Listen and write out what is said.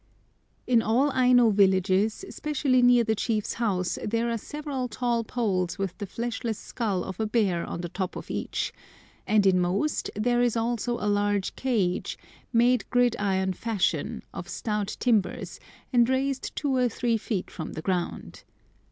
In all Aino villages, specially near the chief's house, there are several tall poles with the fleshless skull of a bear on the top of each, and in most there is also a large cage, made grid iron fashion, of stout timbers, and raised two or three feet from the ground.